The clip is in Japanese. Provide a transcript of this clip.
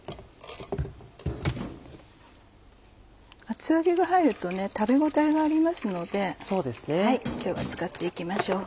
厚揚げが入ると食べ応えがありますので今日は使って行きましょう。